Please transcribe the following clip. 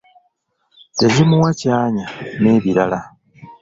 tezimuwa kyanya n’ebirala